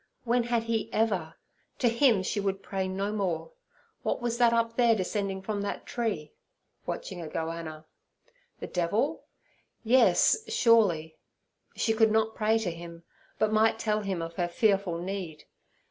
When had He ever? To Him she would pray no more. What was that up there descending from that tree? (watching a gohanna). The devil? Yes, surely. She could not pray to him, but might tell him of her fearful need.